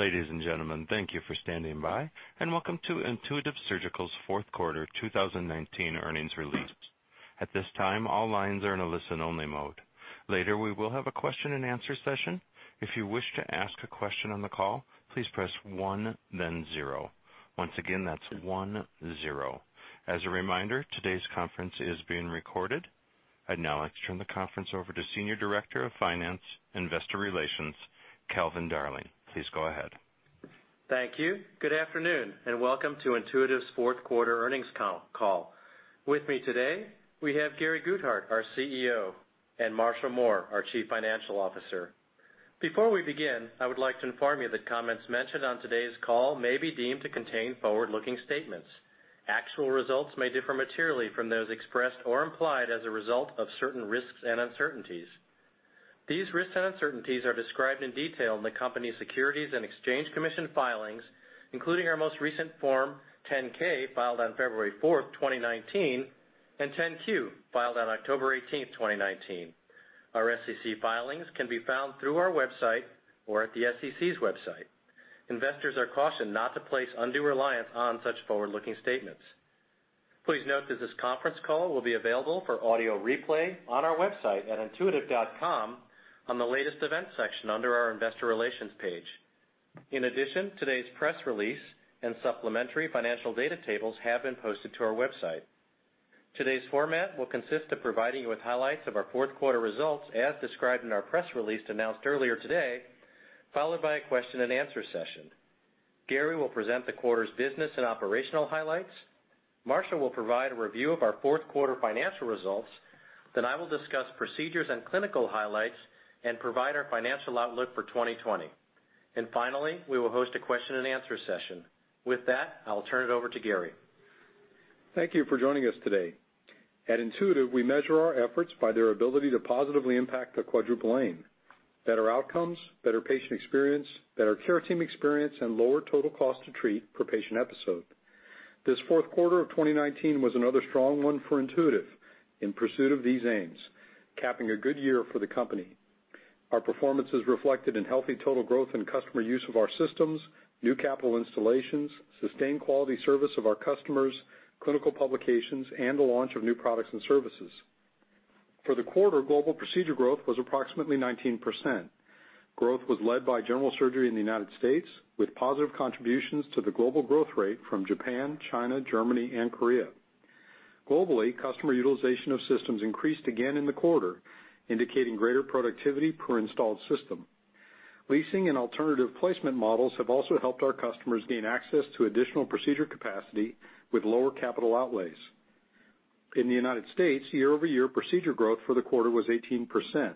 Ladies and gentlemen, thank you for standing by, and welcome to Intuitive Surgical's fourth quarter 2019 earnings release. At this time, all lines are in a listen-only mode. Later, we will have a question-and-answer session. If you wish to ask a question on the call, please press one, then zero. Once again, that's one zero. As a reminder, today's conference is being recorded. I'd now like to turn the conference over to Senior Director of Finance, Investor Relations, Calvin Darling. Please go ahead. Thank you. Good afternoon, and welcome to Intuitive's fourth quarter earnings call. With me today, we have Gary Guthart, our CEO, and Marshall Mohr, our Chief Financial Officer. Before we begin, I would like to inform you that comments mentioned on today's call may be deemed to contain forward-looking statements. Actual results may differ materially from those expressed or implied as a result of certain risks and uncertainties. These risks and uncertainties are described in detail in the company's Securities and Exchange Commission filings, including our most recent Form 10-K, filed on February 4th, 2019, and 10-Q, filed on October 18th, 2019. Our SEC filings can be found through our website or at the SEC's website. Investors are cautioned not to place undue reliance on such forward-looking statements. Please note that this conference call will be available for audio replay on our website at intuitive.com on the Latest Events section under our Investor Relations page. In addition, today's press release and supplementary financial data tables have been posted to our website. Today's format will consist of providing you with highlights of our fourth quarter results as described in our press release announced earlier today, followed by a question-and-answer session. Gary will present the quarter's business and operational highlights. Marshall will provide a review of our fourth quarter financial results. I will discuss procedures and clinical highlights and provide our financial outlook for 2020. Finally, we will host a question-and-answer session. With that, I will turn it over to Gary. Thank you for joining us today. At Intuitive, we measure our efforts by their ability to positively impact the Quadruple Aim: better outcomes, better patient experience, better care team experience, and lower total cost to treat per patient episode. This fourth quarter of 2019 was another strong one for Intuitive in pursuit of these aims, capping a good year for the company. Our performance is reflected in healthy total growth and customer use of our systems, new capital installations, sustained quality service of our customers, clinical publications, and the launch of new products and services. For the quarter, global procedure growth was approximately 19%. Growth was led by general surgery in the U.S., with positive contributions to the global growth rate from Japan, China, Germany, and Korea. Globally, customer utilization of systems increased again in the quarter, indicating greater productivity per installed system. Leasing and alternative placement models have also helped our customers gain access to additional procedure capacity with lower capital outlays. In the U.S., year-over-year procedure growth for the quarter was 18%.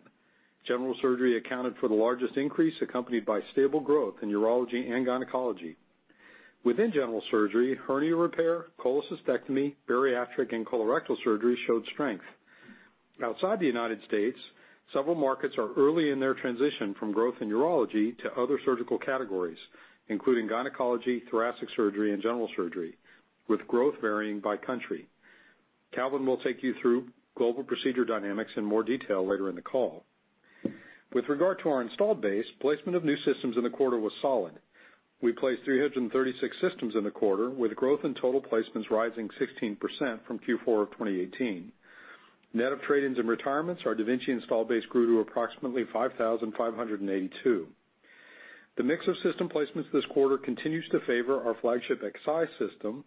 General surgery accounted for the largest increase, accompanied by stable growth in urology and gynecology. Within general surgery, hernia repair, cholecystectomy, bariatric, and colorectal surgery showed strength. Outside the U.S., several markets are early in their transition from growth in urology to other surgical categories, including gynecology, thoracic surgery, and general surgery, with growth varying by country. Calvin will take you through global procedure dynamics in more detail later in the call. With regard to our installed base, placement of new systems in the quarter was solid. We placed 336 systems in the quarter, with growth in total placements rising 16% from Q4 of 2018. Net of trade-ins and retirements, our da Vinci install base grew to approximately 5,582. The mix of system placements this quarter continues to favor our flagship Xi system,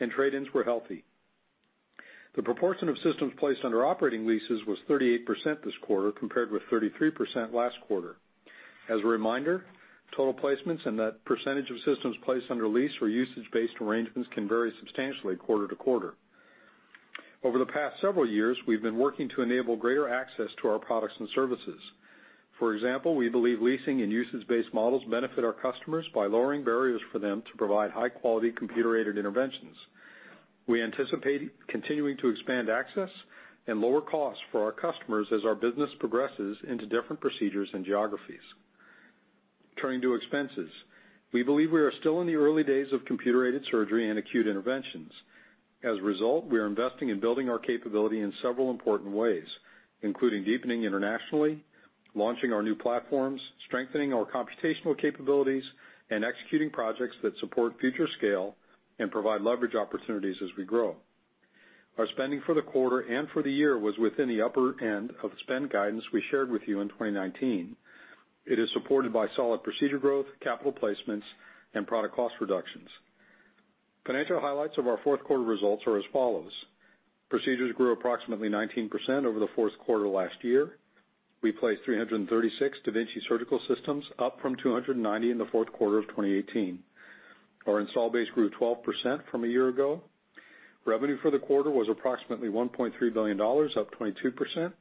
and trade-ins were healthy. The proportion of systems placed under operating leases was 38% this quarter, compared with 33% last quarter. As a reminder, total placements and that percentage of systems placed under lease or usage-based arrangements can vary substantially quarter to quarter. Over the past several years, we've been working to enable greater access to our products and services. For example, we believe leasing and usage-based models benefit our customers by lowering barriers for them to provide high-quality computer-aided interventions. We anticipate continuing to expand access and lower costs for our customers as our business progresses into different procedures and geographies. Turning to expenses, we believe we are still in the early days of computer-aided surgery and acute interventions. As a result, we are investing in building our capability in several important ways, including deepening internationally, launching our new platforms, strengthening our computational capabilities, and executing projects that support future scale and provide leverage opportunities as we grow. Our spending for the quarter and for the year was within the upper end of the spend guidance we shared with you in 2019. It is supported by solid procedure growth, capital placements, and product cost reductions. Financial highlights of our fourth quarter results are as follows. Procedures grew approximately 19% over the fourth quarter last year. We placed 336 da Vinci surgical systems, up from 290 in the fourth quarter of 2018. Our install base grew 12% from a year ago. Revenue for the quarter was approximately $1.3 billion, up 22%.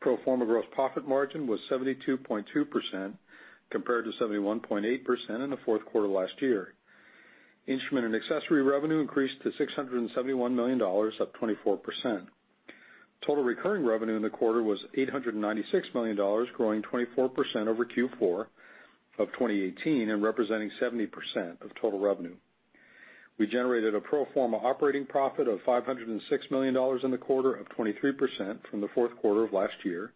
Pro forma gross profit margin was 72.2%, compared to 71.8% in the fourth quarter last year. Instruments and Accessories revenue increased to $671 million, up 24%. Total recurring revenue in the quarter was $896 million, growing 24% over Q4 of 2018 and representing 70% of total revenue. We generated a pro forma operating profit of $506 million in the quarter, up 23% from the fourth quarter of last year,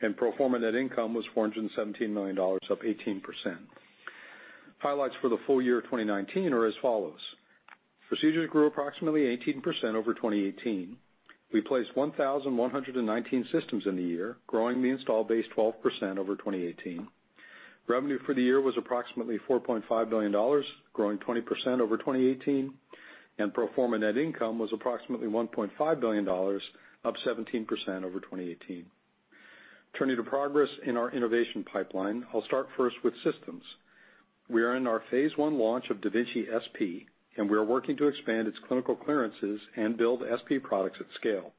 and pro forma net income was $417 million, up 18%. Highlights for the full year 2019 are as follows. Procedures grew approximately 18% over 2018. We placed 1,119 systems in the year, growing the install base 12% over 2018. Revenue for the year was approximately $4.5 billion, growing 20% over 2018, and pro forma net income was approximately $1.5 billion, up 17% over 2018. Turning to progress in our innovation pipeline, I'll start first with systems. We are in our phase I launch of da Vinci SP, and we are working to expand its clinical clearances and build SP products at scale.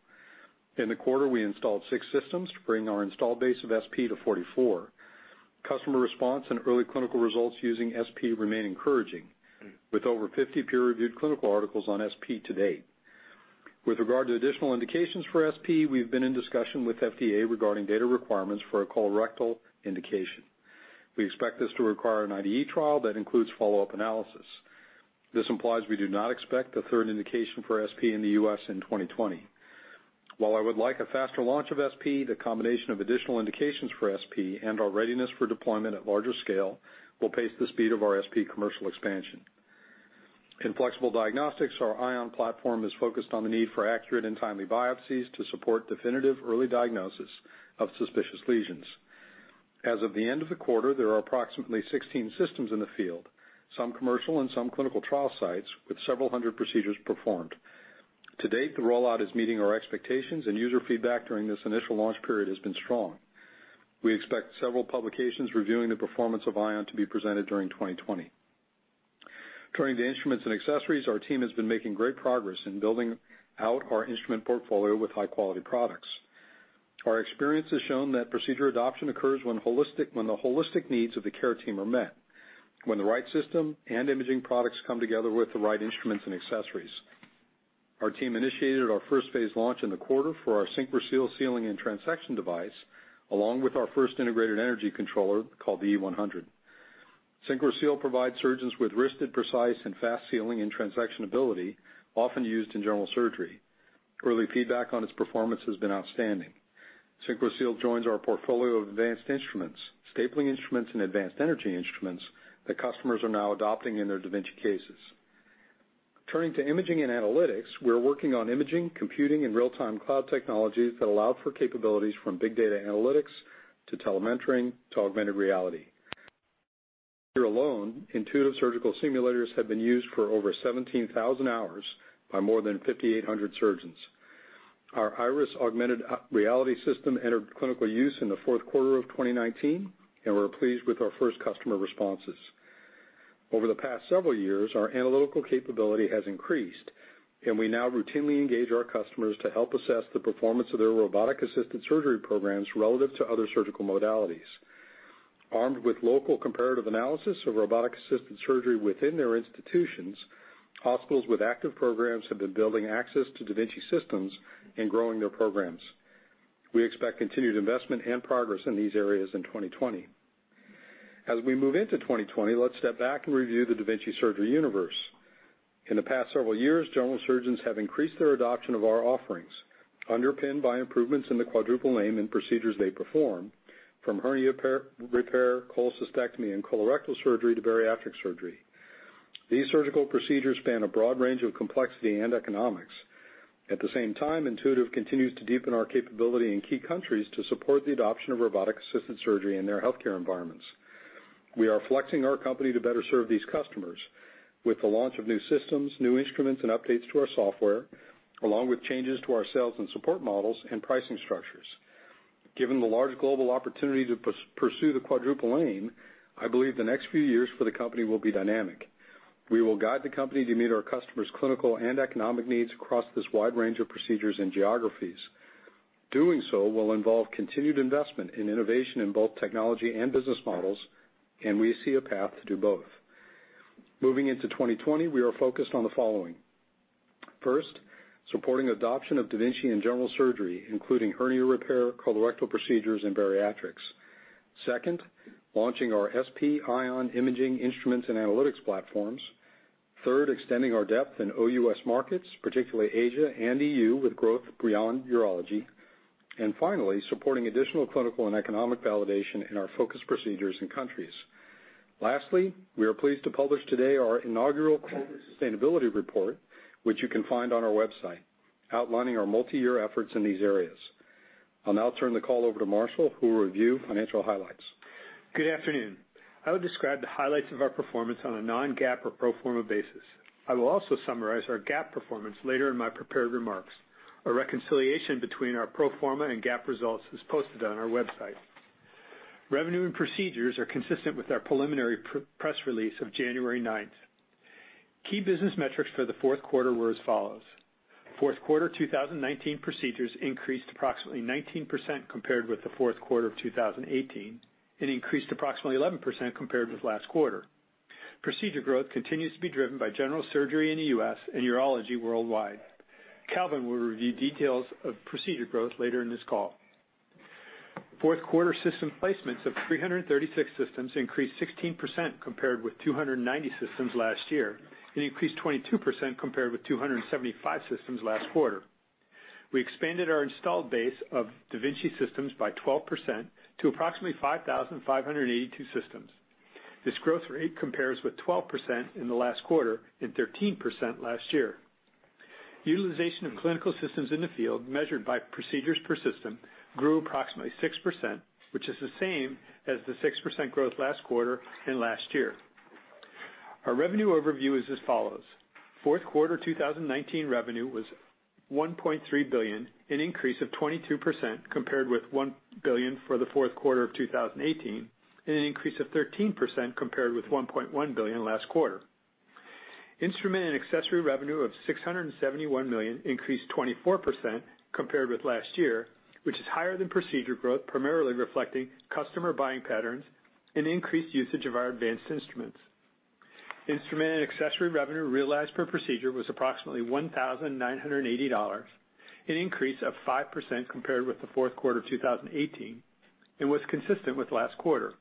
In the quarter, we installed 6 systems to bring our install base of SP to 44. Customer response and early clinical results using SP remain encouraging, with over 50 peer-reviewed clinical articles on SP to date. With regard to additional indications for SP, we've been in discussion with FDA regarding data requirements for a colorectal indication. We expect this to require an IDE trial that includes follow-up analysis. This implies we do not expect a third indication for SP in the U.S. in 2020. While I would like a faster launch of SP, the combination of additional indications for SP and our readiness for deployment at larger scale will pace the speed of our SP commercial expansion. In flexible diagnostics, our Ion platform is focused on the need for accurate and timely biopsies to support definitive early diagnosis of suspicious lesions. As of the end of the quarter, there are approximately 16 systems in the field, some commercial and some clinical trial sites, with several hundred procedures performed. To date, the rollout is meeting our expectations. User feedback during this initial launch period has been strong. We expect several publications reviewing the performance of Ion to be presented during 2020. Turning to Instruments and Accessories, our team has been making great progress in building out our instrument portfolio with high-quality products. Our experience has shown that procedure adoption occurs when the holistic needs of the care team are met, when the right system and imaging products come together with the right Instruments and Accessories. Our team initiated our first phase launch in the quarter for our SynchroSeal sealing and transection device, along with our first integrated energy controller called the E-100. SynchroSeal provides surgeons with wristed, precise, and fast sealing and transection ability, often used in general surgery. Early feedback on its performance has been outstanding. SynchroSeal joins our portfolio of advanced instruments, stapling instruments, and advanced energy instruments that customers are now adopting in their da Vinci cases. Turning to imaging and analytics, we're working on imaging, computing, and real-time cloud technologies that allow for capabilities from big data analytics to telementoring to augmented reality. Here alone, Intuitive Surgical Simulators have been used for over 17,000 hours by more than 5,800 surgeons. Our IRIS augmented reality system entered clinical use in the fourth quarter of 2019, and we're pleased with our first customer responses. Over the past several years, our analytical capability has increased, and we now routinely engage our customers to help assess the performance of their robotic-assisted surgery programs relative to other surgical modalities. Armed with local comparative analysis of robotic-assisted surgery within their institutions, hospitals with active programs have been building access to da Vinci systems and growing their programs. We expect continued investment and progress in these areas in 2020. As we move into 2020, let's step back and review the da Vinci surgery universe. In the past several years, general surgeons have increased their adoption of our offerings, underpinned by improvements in the Quadruple Aim and procedures they perform, from hernia repair, cholecystectomy, and colorectal surgery to bariatric surgery. These surgical procedures span a broad range of complexity and economics. At the same time, Intuitive continues to deepen our capability in key countries to support the adoption of robotic-assisted surgery in their healthcare environments. We are flexing our company to better serve these customers with the launch of new systems, new instruments, and updates to our software, along with changes to our sales and support models and pricing structures. Given the large global opportunity to pursue the Quadruple Aim, I believe the next few years for the company will be dynamic. We will guide the company to meet our customers' clinical and economic needs across this wide range of procedures and geographies. Doing so will involve continued investment in innovation in both technology and business models, and we see a path to do both. Moving into 2020, we are focused on the following. First, supporting adoption of da Vinci in general surgery, including hernia repair, colorectal procedures, and bariatrics. Second, launching our SP Ion imaging instruments and analytics platforms. Third, extending our depth in OUS markets, particularly Asia and EU, with growth beyond urology. Finally, supporting additional clinical and economic validation in our focus procedures and countries. Lastly, we are pleased to publish today our inaugural Sustainability Report, which you can find on our website, outlining our multi-year efforts in these areas. I'll now turn the call over to Marshall, who will review financial highlights. Good afternoon. I will describe the highlights of our performance on a non-GAAP or pro forma basis. I will also summarize our GAAP performance later in my prepared remarks. A reconciliation between our pro forma and GAAP results is posted on our website. Revenue and procedures are consistent with our preliminary press release of January 9th. Key business metrics for the fourth quarter were as follows. Fourth quarter 2019 procedures increased approximately 19% compared with the fourth quarter of 2018 and increased approximately 11% compared with last quarter. Procedure growth continues to be driven by general surgery in the U.S. and urology worldwide. Calvin will review details of procedure growth later in this call. Fourth quarter system placements of 336 systems increased 16% compared with 290 systems last year, and increased 22% compared with 275 systems last quarter. We expanded our installed base of da Vinci systems by 12% to approximately 5,582 systems. This growth rate compares with 12% in the last quarter and 13% last year. Utilization of clinical systems in the field, measured by procedures per system, grew approximately 6%, which is the same as the 6% growth last quarter and last year. Our revenue overview is as follows. Fourth quarter 2019 revenue was $1.3 billion, an increase of 22% compared with $1 billion for the fourth quarter of 2018, and an increase of 13% compared with $1.1 billion last quarter. Instrument and Accessories revenue of $671 million increased 24% compared with last year, which is higher than procedure growth, primarily reflecting customer buying patterns and increased usage of our advanced instruments. Instruments and Accessories revenue realized per procedure was approximately $1,980, an increase of 5% compared with the fourth quarter of 2018, and was consistent with last quarter.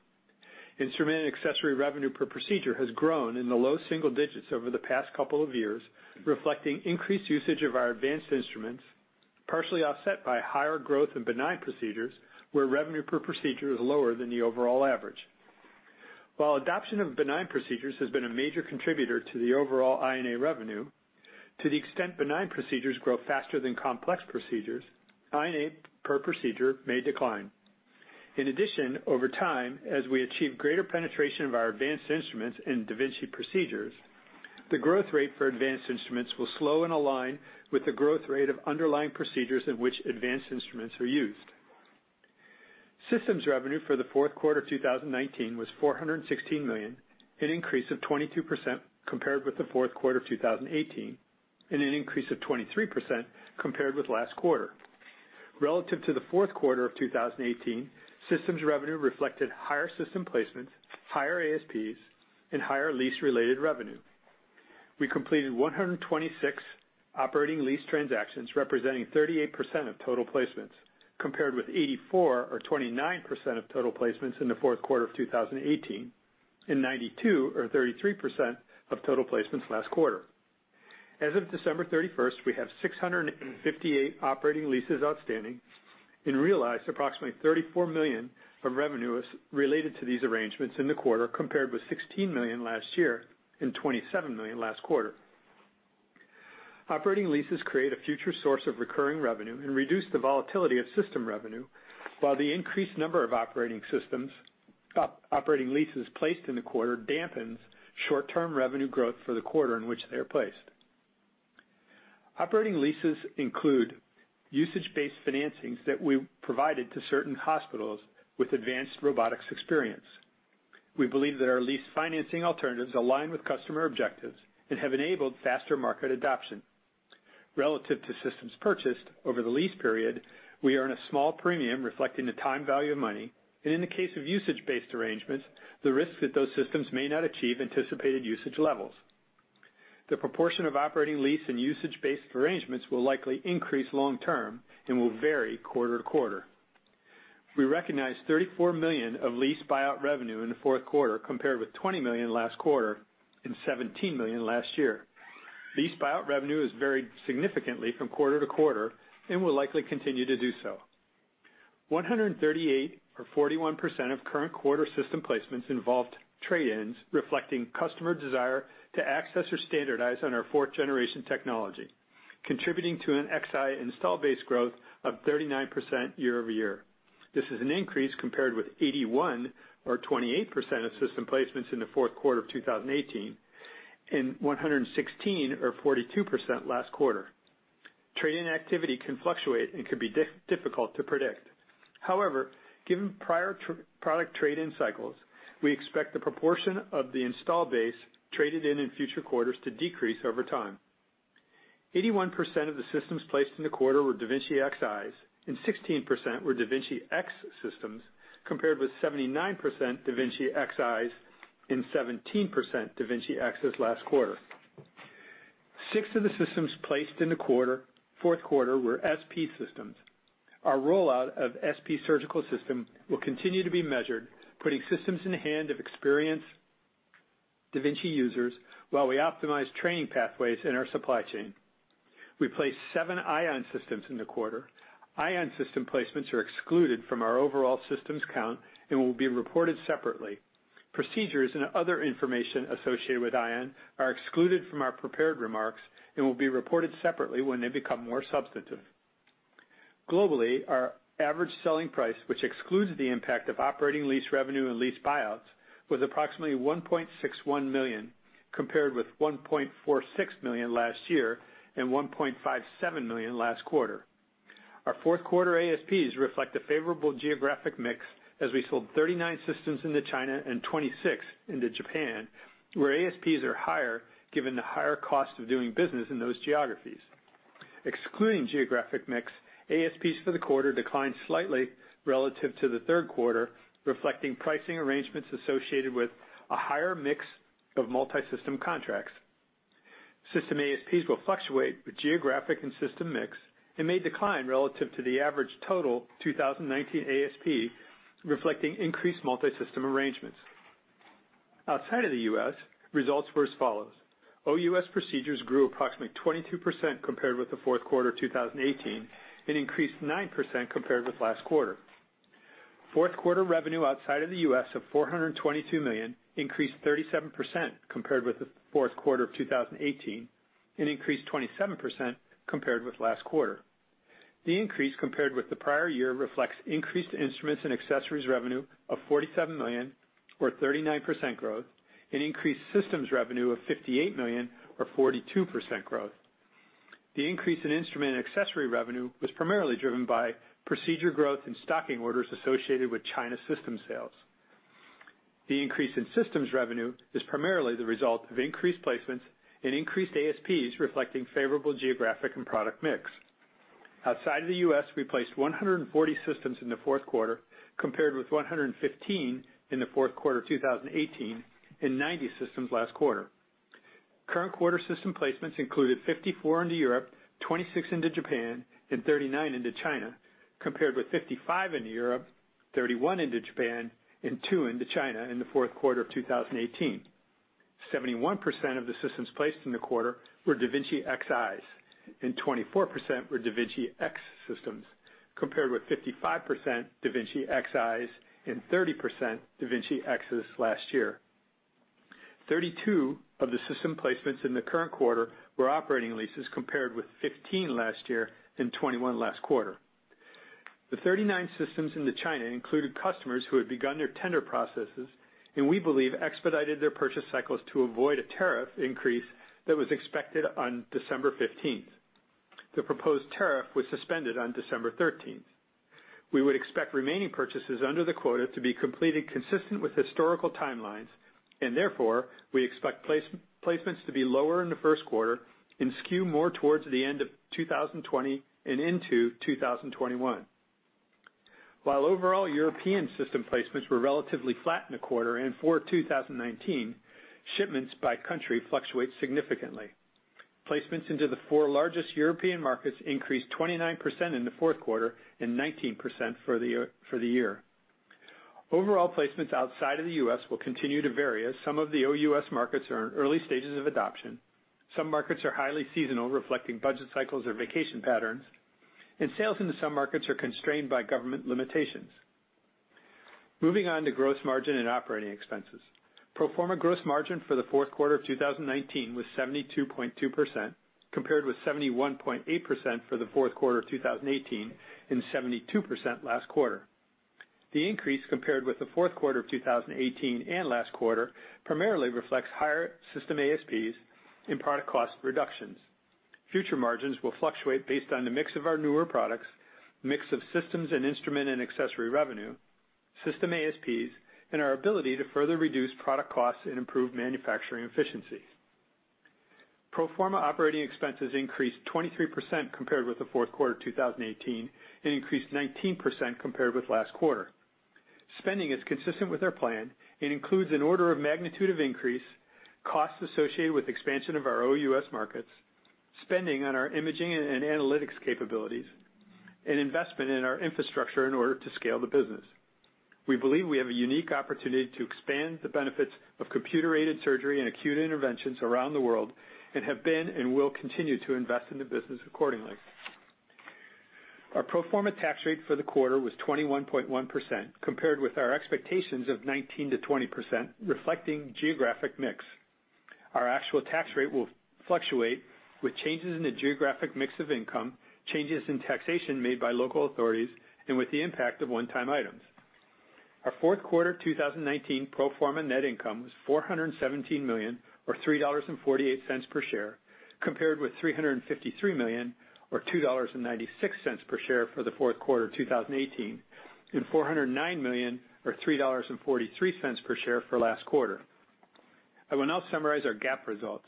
Instruments and Accessories revenue per procedure has grown in the low single digits over the past couple of years, reflecting increased usage of our advanced instruments, partially offset by higher growth in benign procedures where revenue per procedure is lower than the overall average. While adoption of benign procedures has been a major contributor to the overall I&A revenue, to the extent benign procedures grow faster than complex procedures, I&A per procedure may decline. In addition, over time, as we achieve greater penetration of our advanced instruments in da Vinci procedures, the growth rate for advanced instruments will slow and align with the growth rate of underlying procedures in which advanced instruments are used. Systems revenue for the fourth quarter of 2019 was $416 million, an increase of 22% compared with the fourth quarter of 2018, and an increase of 23% compared with last quarter. Relative to the fourth quarter of 2018, systems revenue reflected higher system placements, higher ASPs, and higher lease-related revenue. We completed 126 operating lease transactions, representing 38% of total placements, compared with 84 or 29% of total placements in the fourth quarter of 2018, and 92 or 33% of total placements last quarter. As of December 31st, we have 658 operating leases outstanding and realized approximately $34 million of revenue related to these arrangements in the quarter, compared with $16 million last year and $27 million last quarter. Operating leases create a future source of recurring revenue and reduce the volatility of system revenue, while the increased number of operating leases placed in the quarter dampens short-term revenue growth for the quarter in which they are placed. Operating leases include usage-based financings that we provided to certain hospitals with advanced robotics experience. We believe that our lease financing alternatives align with customer objectives and have enabled faster market adoption. Relative to systems purchased over the lease period, we earn a small premium reflecting the time value of money, and in the case of usage-based arrangements, the risk that those systems may not achieve anticipated usage levels. The proportion of operating lease and usage-based arrangements will likely increase long term and will vary quarter to quarter. We recognized $34 million of lease buyout revenue in the fourth quarter, compared with $20 million last quarter and $17 million last year. Lease buyout revenue has varied significantly from quarter to quarter and will likely continue to do so. 138 or 41% of current quarter system placements involved trade-ins reflecting customer desire to access or standardize on our fourth-generation technology, contributing to an Xi install base growth of 39% year-over-year. This is an increase compared with 81 or 28% of system placements in the fourth quarter of 2018 and 116 or 42% last quarter. Trade-in activity can fluctuate and can be difficult to predict. However, given prior product trade-in cycles, we expect the proportion of the install base traded in in future quarters to decrease over time. 81% of the systems placed in the quarter were da Vinci Xis and 16% were da Vinci X systems, compared with 79% da Vinci Xis and 17% da Vinci Xs last quarter. Six of the systems placed in the fourth quarter were SP systems. Our rollout of SP surgical system will continue to be measured, putting systems in the hand of experienced da Vinci users while we optimize training pathways in our supply chain. We placed seven Ion systems in the quarter. Ion system placements are excluded from our overall systems count and will be reported separately. Procedures and other information associated with Ion are excluded from our prepared remarks and will be reported separately when they become more substantive. Globally, our Average Selling Price, which excludes the impact of operating lease revenue and lease buyouts, was approximately $1.61 million, compared with $1.46 million last year and $1.57 million last quarter. Our fourth quarter ASPs reflect a favorable geographic mix as we sold 39 systems into China and 26 into Japan, where ASPs are higher given the higher cost of doing business in those geographies. Excluding geographic mix, ASPs for the quarter declined slightly relative to the third quarter, reflecting pricing arrangements associated with a higher mix of multi-system contracts. System ASPs will fluctuate with geographic and system mix and may decline relative to the average total 2019 ASP, reflecting increased multi-system arrangements. Outside of the U.S., results were as follows. OUS procedures grew approximately 22% compared with the fourth quarter 2018, and increased 9% compared with last quarter. Fourth quarter revenue outside of the U.S. of $422 million, increased 37% compared with the fourth quarter of 2018, and increased 27% compared with last quarter. The increase compared with the prior year reflects increased Instruments and Accessories revenue of $47 million or 39% growth, and increased systems revenue of $58 million or 42% growth. The increase in Instruments and Accessories revenue was primarily driven by procedure growth and stocking orders associated with China system sales. The increase in systems revenue is primarily the result of increased placements and increased ASPs reflecting favorable geographic and product mix. Outside of the U.S., we placed 140 systems in the fourth quarter, compared with 115 in the fourth quarter 2018 and 90 systems last quarter. Current quarter system placements included 54 into Europe, 26 into Japan, and 39 into China, compared with 55 into Europe, 31 into Japan and two into China in the fourth quarter of 2018. 71% of the systems placed in the quarter were da Vinci Xis, and 24% were da Vinci X systems, compared with 55% da Vinci Xis and 30% da Vinci Xs last year. 32 of the system placements in the current quarter were operating leases compared with 15 last year and 21 last quarter. The 39 systems into China included customers who had begun their tender processes and we believe expedited their purchase cycles to avoid a tariff increase that was expected on December 15th. The proposed tariff was suspended on December 13th. We would expect remaining purchases under the quota to be completed consistent with historical timelines, and therefore, we expect placements to be lower in the first quarter and skew more towards the end of 2020 and into 2021. While overall European system placements were relatively flat in the quarter and for 2019, shipments by country fluctuate significantly. Placements into the four largest European markets increased 29% in the fourth quarter and 19% for the year. Overall placements outside of the U.S. will continue to vary as some of the OUS markets are in early stages of adoption. Some markets are highly seasonal, reflecting budget cycles or vacation patterns, and sales into some markets are constrained by government limitations. Moving on to gross margin and operating expenses. Pro forma gross margin for the fourth quarter of 2019 was 72.2%, compared with 71.8% for the fourth quarter of 2018 and 72% last quarter. The increase compared with the fourth quarter of 2018 and last quarter primarily reflects higher system ASPs and product cost reductions. Future margins will fluctuate based on the mix of our newer products, mix of systems and instrument and accessory revenue, system ASPs, and our ability to further reduce product costs and improve manufacturing efficiency. Pro forma operating expenses increased 23% compared with the fourth quarter 2018, increased 19% compared with last quarter. Spending is consistent with our plan and includes an order of magnitude of increase, costs associated with expansion of our OUS markets, spending on our imaging and analytics capabilities, and investment in our infrastructure in order to scale the business. We believe we have a unique opportunity to expand the benefits of computer-aided surgery and acute interventions around the world, and have been and will continue to invest in the business accordingly. Our pro forma tax rate for the quarter was 21.1%, compared with our expectations of 19%-20%, reflecting geographic mix. Our actual tax rate will fluctuate with changes in the geographic mix of income, changes in taxation made by local authorities, and with the impact of one-time items. Our fourth quarter 2019 pro forma net income was $417 million or $3.48 per share, compared with $353 million or $2.96 per share for the fourth quarter 2018 and $409 million or $3.43 per share for last quarter. I will now summarize our GAAP results.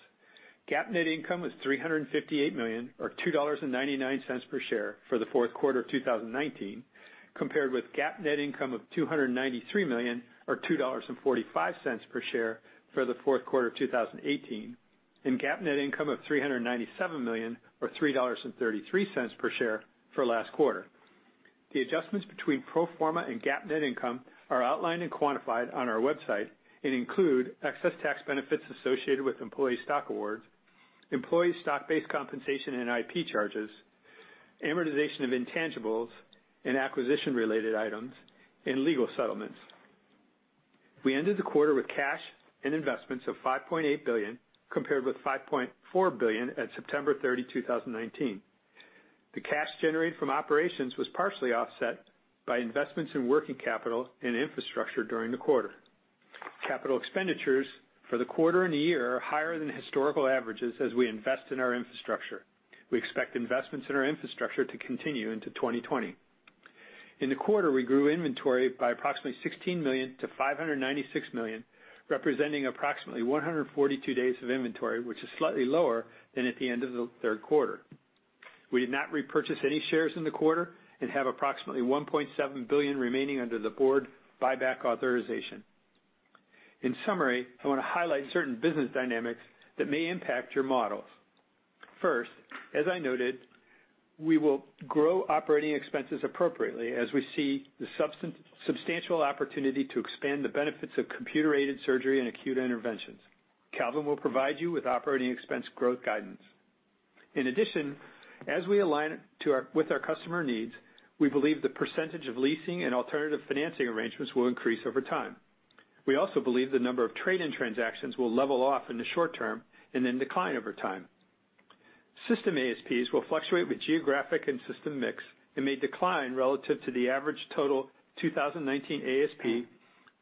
GAAP net income was $358 million or $2.99 per share for the fourth quarter 2019, compared with GAAP net income of $293 million or $2.45 per share for the fourth quarter 2018 and GAAP net income of $397 million or $3.33 per share for last quarter. The adjustments between pro forma and GAAP net income are outlined and quantified on our website and include excess tax benefits associated with employee stock awards, employee stock-based compensation and IP charges, amortization of intangibles and acquisition-related items and legal settlements. We ended the quarter with cash and investments of $5.8 billion, compared with $5.4 billion at September 30, 2019. The cash generated from operations was partially offset by investments in working capital and infrastructure during the quarter. Capital expenditures for the quarter and the year are higher than historical averages as we invest in our infrastructure. We expect investments in our infrastructure to continue into 2020. In the quarter, we grew inventory by approximately $16 million to $596 million, representing approximately 142 days of inventory, which is slightly lower than at the end of the third quarter. We did not repurchase any shares in the quarter and have approximately $1.7 billion remaining under the board buyback authorization. In summary, I want to highlight certain business dynamics that may impact your models. First, as I noted, we will grow operating expenses appropriately as we see the substantial opportunity to expand the benefits of computer-aided surgery and acute interventions. Calvin will provide you with operating expense growth guidance. In addition, as we align with our customer needs, we believe the percentage of leasing and alternative financing arrangements will increase over time. We also believe the number of trade-in transactions will level off in the short term and then decline over time. System ASPs will fluctuate with geographic and system mix and may decline relative to the average total 2019 ASP,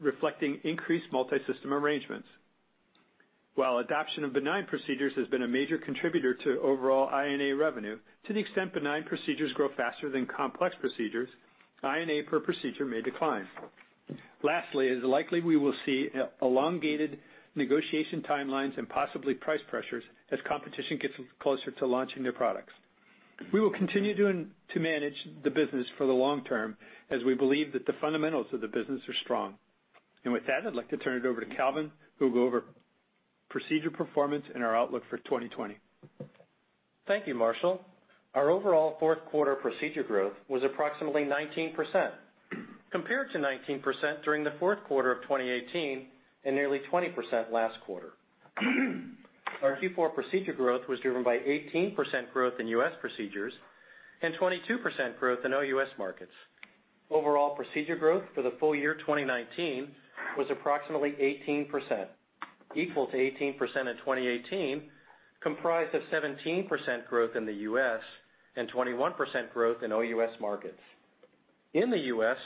reflecting increased multi-system arrangements. While adoption of benign procedures has been a major contributor to overall I&A revenue, to the extent benign procedures grow faster than complex procedures, I&A per procedure may decline. Lastly, it is likely we will see elongated negotiation timelines and possibly price pressures as competition gets closer to launching their products. We will continue to manage the business for the long term as we believe that the fundamentals of the business are strong. With that, I'd like to turn it over to Calvin, who will go over procedure performance and our outlook for 2020. Thank you, Marshall. Our overall fourth quarter procedure growth was approximately 19%, compared to 19% during the fourth quarter of 2018, and nearly 20% last quarter. Our Q4 procedure growth was driven by 18% growth in U.S. procedures and 22% growth in OUS markets. Overall procedure growth for the full year 2019 was approximately 18%, equal to 18% in 2018, comprised of 17% growth in the U.S. and 21% growth in OUS markets. In the U.S.,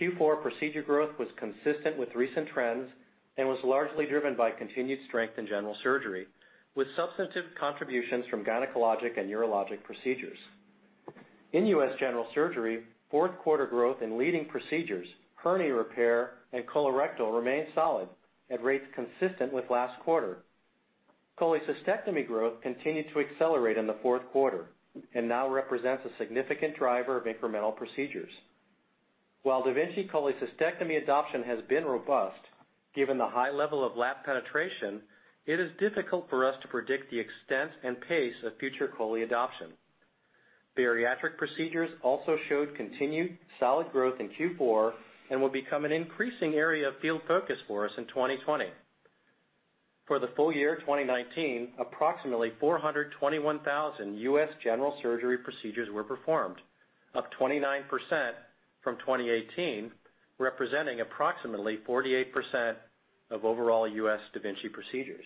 Q4 procedure growth was consistent with recent trends and was largely driven by continued strength in general surgery, with substantive contributions from gynecologic and urologic procedures. In U.S. general surgery, fourth quarter growth in leading procedures, hernia repair, and colorectal remained solid at rates consistent with last quarter. Cholecystectomy growth continued to accelerate in the fourth quarter and now represents a significant driver of incremental procedures. While da Vinci cholecystectomy adoption has been robust, given the high level of lap penetration, it is difficult for us to predict the extent and pace of future chole adoption. Bariatric procedures also showed continued solid growth in Q4 and will become an increasing area of field focus for us in 2020. For the full year 2019, approximately 421,000 U.S. general surgery procedures were performed, up 29% from 2018, representing approximately 48% of overall U.S. da Vinci procedures.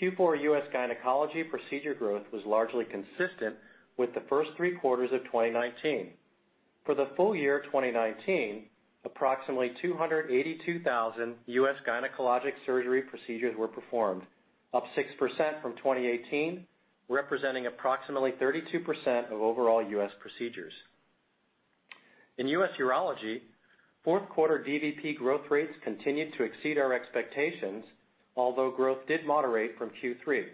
Q4 U.S. gynecology procedure growth was largely consistent with the first three quarters of 2019. For the full year 2019, approximately 282,000 U.S. gynecologic surgery procedures were performed, up 6% from 2018, representing approximately 32% of overall U.S. procedures. In U.S. urology, fourth quarter DVP growth rates continued to exceed our expectations, although growth did moderate from Q3.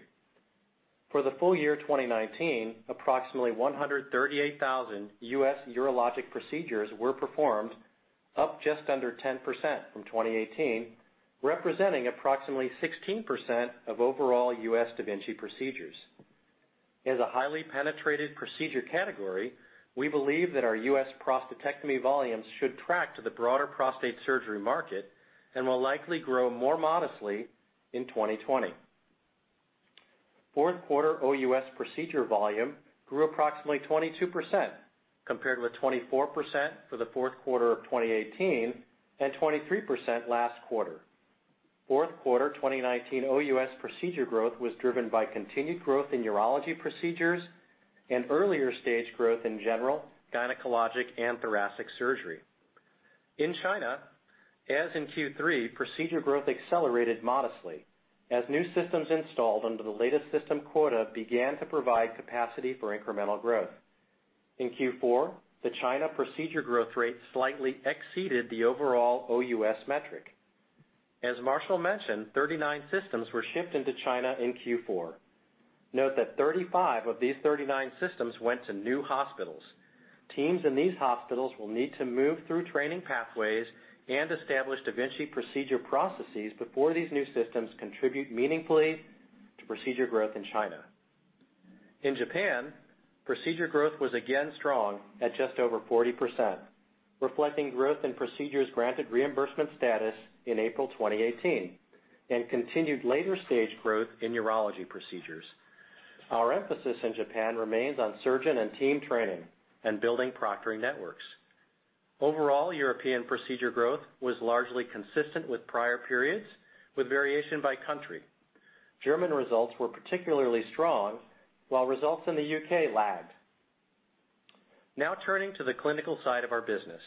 For the full year 2019, approximately 138,000 U.S. urologic procedures were performed, up just under 10% from 2018, representing approximately 16% of overall U.S. da Vinci procedures. As a highly penetrated procedure category, we believe that our U.S. prostatectomy volumes should track to the broader prostate surgery market and will likely grow more modestly in 2020. Fourth quarter OUS procedure volume grew approximately 22%, compared with 24% for the fourth quarter of 2018 and 23% last quarter. Fourth quarter 2019 OUS procedure growth was driven by continued growth in urology procedures and earlier stage growth in general, gynecologic, and thoracic surgery. In China, as in Q3, procedure growth accelerated modestly as new systems installed under the latest system quota began to provide capacity for incremental growth. In Q4, the China procedure growth rate slightly exceeded the overall OUS metric. As Marshall mentioned, 39 systems were shipped into China in Q4. Note that 35 of these 39 systems went to new hospitals. Teams in these hospitals will need to move through training pathways, and establish da Vinci procedure processes before these new systems contribute meaningfully to procedure growth in China. In Japan, procedure growth was again strong at just over 40%, reflecting growth in procedures granted reimbursement status in April 2018 and continued later-stage growth in urology procedures. Our emphasis in Japan remains on surgeon and team training and building proctoring networks. Overall, European procedure growth was largely consistent with prior periods, with variation by country. German results were particularly strong, while results in the U.K. lagged. Turning to the clinical side of our business.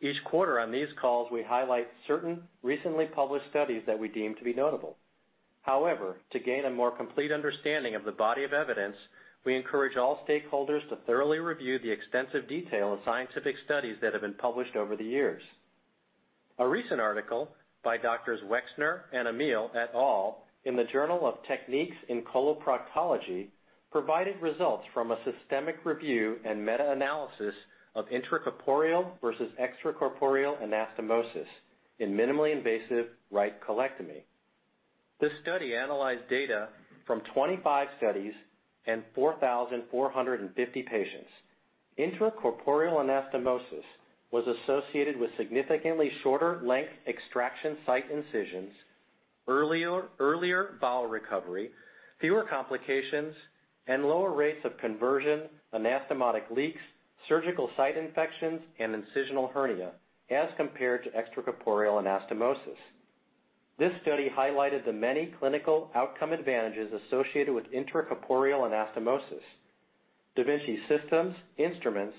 Each quarter on these calls, we highlight certain recently published studies that we deem to be notable. However, to gain a more complete understanding of the body of evidence, we encourage all stakeholders to thoroughly review the extensive detail of scientific studies that have been published over the years. A recent article by Doctors Wexner and Amiel et al. in the Journal of Techniques in Coloproctology provided results from a systemic review and meta-analysis of intracorporeal versus extracorporeal anastomosis in minimally invasive right colectomy. This study analyzed data from 25 studies and 4,450 patients. Intracorporeal anastomosis was associated with significantly shorter length extraction site incisions, earlier bowel recovery, fewer complications, and lower rates of conversion, anastomotic leaks, surgical site infections, and incisional hernia as compared to extracorporeal anastomosis. This study highlighted the many clinical outcome advantages associated with intracorporeal anastomosis. da Vinci systems, instruments,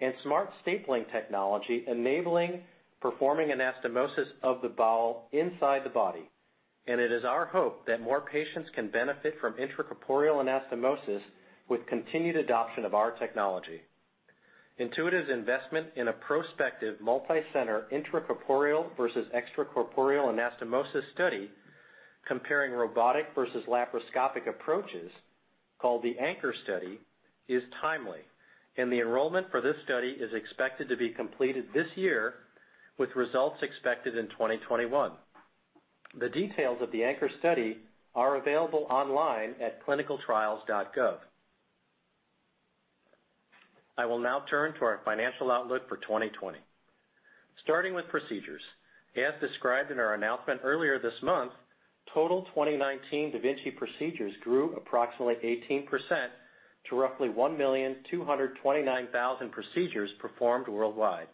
and smart stapling technology enabling performing anastomosis of the bowel inside the body. It is our hope that more patients can benefit from intracorporeal anastomosis with continued adoption of our technology. Intuitive's investment in a prospective multi-center intracorporeal versus extracorporeal anastomosis study, comparing robotic versus laparoscopic approaches, called the ANCOR study, is timely, and the enrollment for this study is expected to be completed this year with results expected in 2021. The details of the ANCOR study are available online at clinicaltrials.gov. I will now turn to our financial outlook for 2020. Starting with procedures, as described in our announcement earlier this month, total 2019 da Vinci procedures grew approximately 18% to roughly 1,229,000 procedures performed worldwide.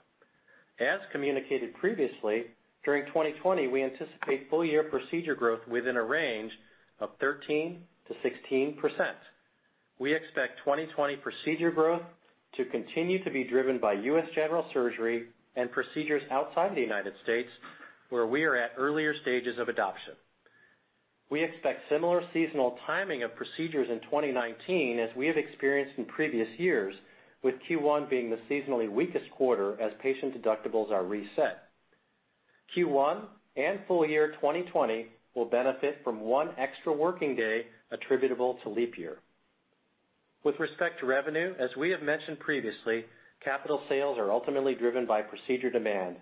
As communicated previously, during 2020, we anticipate full-year procedure growth within a range of 13%-16%. We expect 2020 procedure growth to continue to be driven by U.S. general surgery and procedures outside the United States, where we are at earlier stages of adoption. We expect similar seasonal timing of procedures in 2019, as we have experienced in previous years, with Q1 being the seasonally weakest quarter as patient deductibles are reset. Q1 and full year 2020 will benefit from one extra working day attributable to leap year. With respect to revenue, as we have mentioned previously, capital sales are ultimately driven by procedure demand,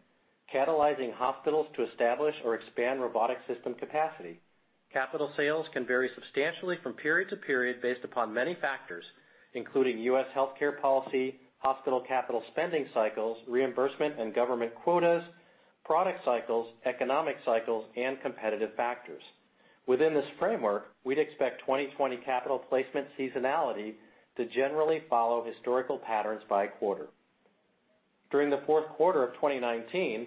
catalyzing hospitals to establish or expand robotic system capacity. Capital sales can vary substantially from period to period based upon many factors, including U.S. healthcare policy, hospital capital spending cycles, reimbursement and government quotas, product cycles, economic cycles, and competitive factors. Within this framework, we'd expect 2020 capital placement seasonality to generally follow historical patterns by quarter. During the fourth quarter of 2019,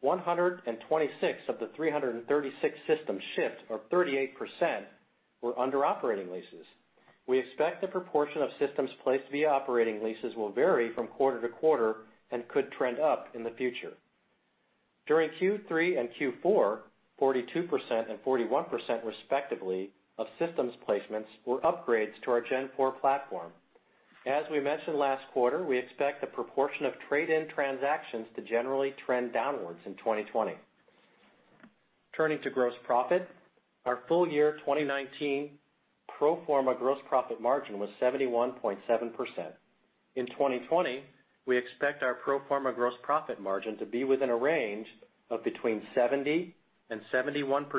126 of the 336 system shifts, or 38%, were under operating leases. We expect the proportion of systems placed via operating leases will vary from quarter-to-quarter and could trend up in the future. During Q3 and Q4, 42% and 41% respectively of systems placements were upgrades to our fourth-generation platform. As we mentioned last quarter, we expect the proportion of trade-in transactions to generally trend downwards in 2020. Turning to gross profit, our full year 2019 pro forma gross profit margin was 71.7%. In 2020, we expect our pro forma gross profit margin to be within a range of between 70% and 71%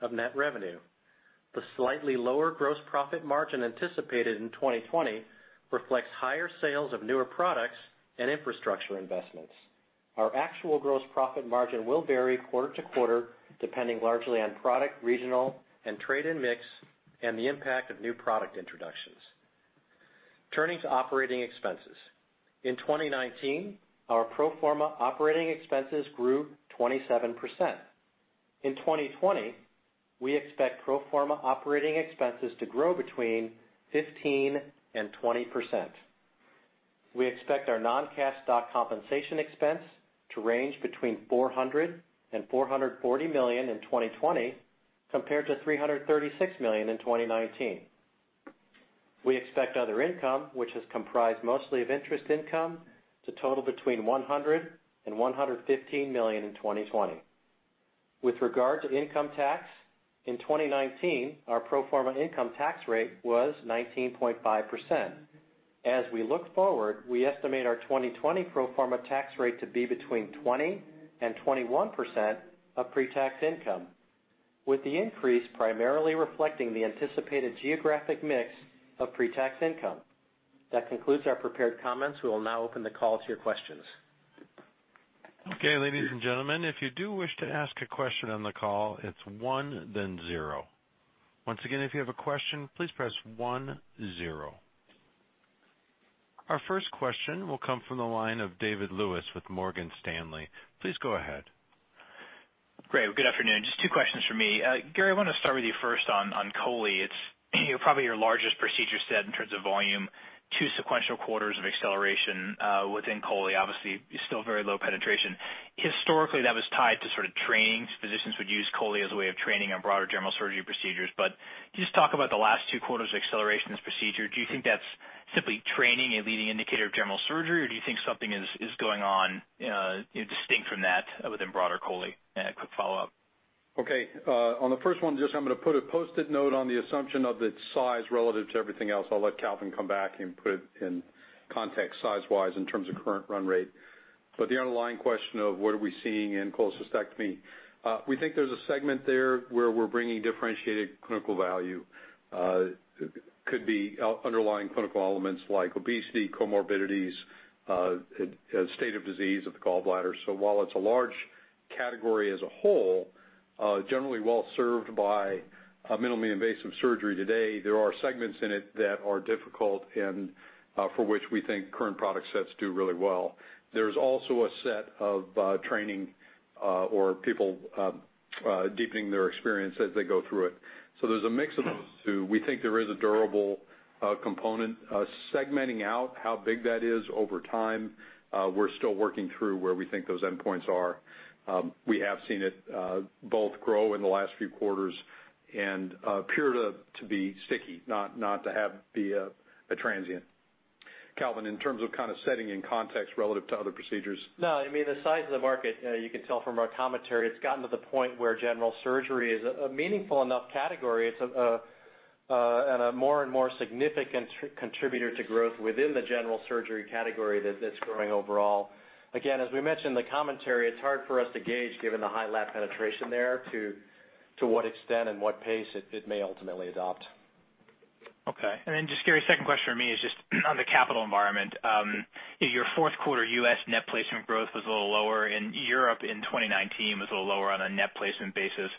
of net revenue. The slightly lower gross profit margin anticipated in 2020 reflects higher sales of newer products and infrastructure investments. Our actual gross profit margin will vary quarter to quarter, depending largely on product, regional, and trade-in mix, and the impact of new product introductions. Turning to operating expenses. In 2019, our pro forma operating expenses grew 27%. In 2020, we expect pro forma operating expenses to grow between 15% and 20%. We expect our non-cash stock compensation expense to range between $400 million and $440 million in 2020 compared to $336 million in 2019. We expect other income, which is comprised mostly of interest income, to total between $100 million and $115 million in 2020. With regard to income tax, in 2019, our pro forma income tax rate was 19.5%. As we look forward, we estimate our 2020 pro forma tax rate to be between 20% and 21% of pre-tax income, with the increase primarily reflecting the anticipated geographic mix of pre-tax income. That concludes our prepared comments. We will now open the call to your questions. Okay, ladies and gentlemen, if you do wish to ask a question on the call, it's one, then zero. Once again, if you have a question, please press one, zero. Our first question will come from the line of David Lewis with Morgan Stanley. Please go ahead. Great. Well, good afternoon. Just two questions from me. Gary, I want to start with you first on cholecystectomy. It's probably your largest procedure set in terms of volume. Two sequential quarters of acceleration within cholecystectomy. Obviously, it's still very low penetration. Historically, that was tied to sort of training. Physicians would use cholecystectomy as a way of training on broader general surgery procedures. Can you just talk about the last two quarters of acceleration in this procedure? Do you think that's simply training a leading indicator of general surgery, or do you think something is going on distinct from that within broader cholecystectomy? A quick follow-up Okay. On the first one, just I'm going to put a Post-it note on the assumption of its size relative to everything else. I'll let Calvin come back and put it in context size-wise in terms of current run rate. The underlying question of what are we seeing in cholecystectomy, we think there's a segment there where we're bringing differentiated clinical value. Could be underlying clinical elements like obesity, comorbidities, state of disease of the gallbladder. While it's a large category as a whole, generally well-served by minimally invasive surgery today, there are segments in it that are difficult and for which we think current product sets do really well. There's also a set of training or people deepening their experience as they go through it. There's a mix of those two. We think there is a durable component. Segmenting out how big that is over time, we're still working through where we think those endpoints are. We have seen it both grow in the last few quarters and appear to be sticky, not to be a transient. Calvin, in terms of kind of setting in context relative to other procedures. No, I mean, the size of the market, you can tell from our commentary, it's gotten to the point where general surgery is a meaningful enough category. It's a more and more significant contributor to growth within the general surgery category that's growing overall. Again, as we mentioned the commentary, it's hard for us to gauge, given the high lap penetration there, to what extent and what pace it may ultimately adopt. Gary, second question from me is just on the capital environment. Your fourth quarter U.S. net placement growth was a little lower. Europe in 2019 was a little lower on a net placement basis.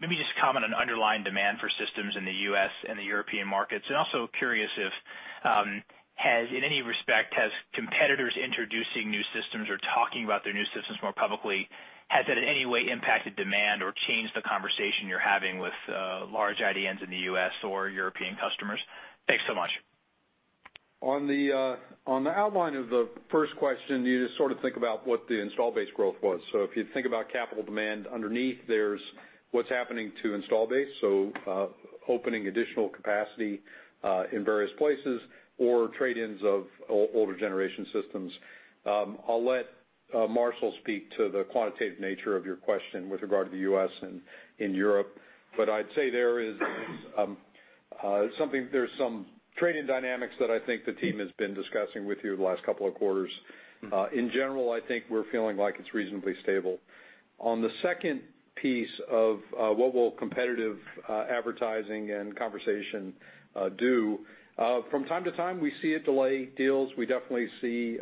Maybe just comment on underlying demand for systems in the U.S. and the European markets. Also curious if competitors introducing new systems or talking about their new systems more publicly, has that in any way impacted demand or changed the conversation you're having with large IDNs in the U.S. or European customers? Thanks so much. On the outline of the first question, you just sort of think about what the install base growth was. If you think about capital demand underneath, there's what's happening to install base, so opening additional capacity in various places or trade-ins of older generation systems. I'll let Marshall speak to the quantitative nature of your question with regard to the U.S. and in Europe, but I'd say there is some trade-in dynamics that, I think, the team has been discussing with you the last couple of quarters. In general, I think we're feeling like it's reasonably stable. On the second piece of what will competitive advertising and conversation do, from time to time, we see it delay deals. We definitely see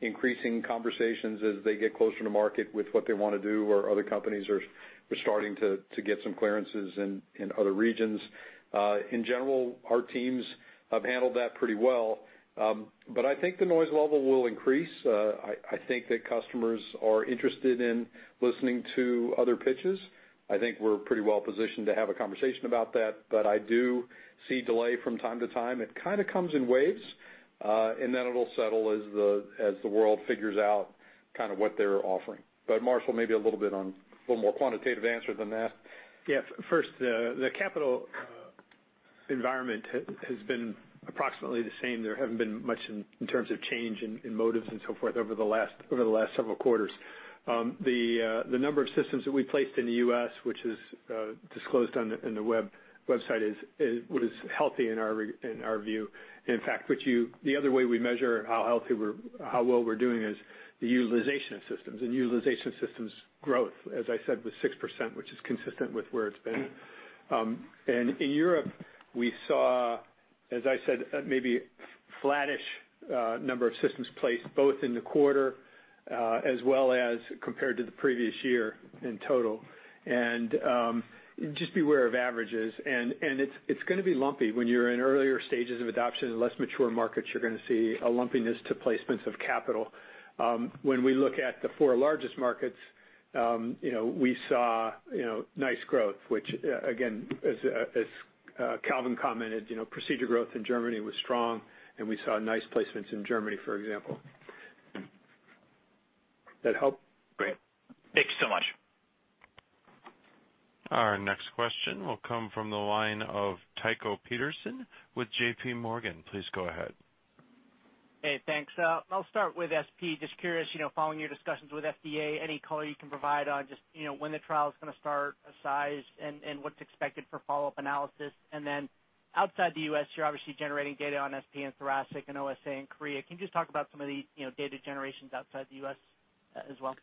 increasing conversations as they get closer to market with what they want to do or other companies are starting to get some clearances in other regions. In general, our teams have handled that pretty well. I think the noise level will increase. I think that customers are interested in listening to other pitches. I think we're pretty well-positioned to have a conversation about that. I do see delay from time to time. It kind of comes in waves, and then it'll settle as the world figures out kind of what they're offering. Marshall, maybe a little bit on a little more quantitative answer than that. Yeah. First, the capital environment has been approximately the same. There haven't been much in terms of change in motives and so forth over the last several quarters. The number of systems that we placed in the U.S., which is disclosed on the website, was healthy in our view. In fact, the other way we measure how well we're doing is the utilization of systems, and utilization of systems growth, as I said, was 6%, which is consistent with where it's been. In Europe, we saw, as I said, maybe flattish number of systems placed both in the quarter as well as compared to the previous year in total. Just beware of averages. It's going to be lumpy when you're in earlier stages of adoption in less mature markets; you're going to see a lumpiness to placements of capital. When we look at the four largest markets, we saw nice growth, which again, as Calvin commented, procedure growth in Germany was strong, and we saw nice placements in Germany, for example. That help? Great. Thank you so much. Our next question will come from the line of Tycho Peterson with JPMorgan. Please go ahead. Hey, thanks. I'll start with SP. Just curious, following your discussions with FDA, any color you can provide on just when the trial's going to start, size, and what's expected for follow-up analysis. Outside the U.S., you're obviously generating data on SP and thoracic and OSA in Korea. Can you just talk about some of the data generations outside the U.S. as well?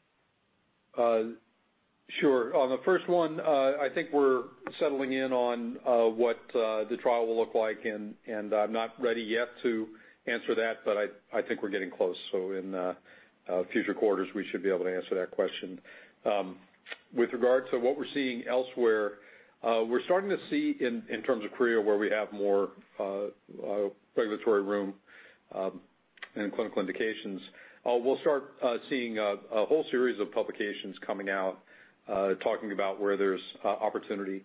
Sure. On the first one, I think we're settling in on what the trial will look like, and I'm not ready yet to answer that, but I think we're getting close. In future quarters, we should be able to answer that question. With regard to what we're seeing elsewhere, we're starting to see in terms of Korea where we have more regulatory room and clinical indications, we'll start seeing a whole series of publications coming out talking about where there's opportunity.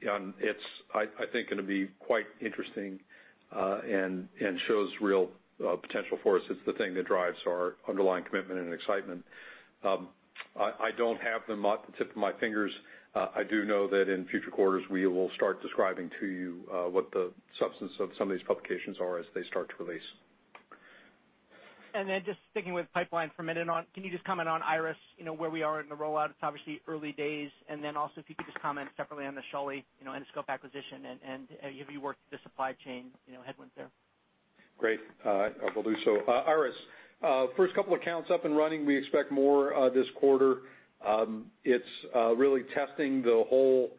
It's, I think, going to be quite interesting and shows real potential for us. It's the thing that drives our underlying commitment and excitement. I don't have them at the tip of my fingers. I do know that in future quarters, we will start describing to you what the substance of some of these publications are as they start to release. Just sticking with pipeline for a minute on, can you just comment on IRIS, where we are in the rollout? It's obviously early days. Also, if you could just comment separately on the Schölly endoscope acquisition, and have you worked the supply chain headwinds there? Great. I will do so. IRIS, first couple accounts up and running. We expect more this quarter. It's really testing the whole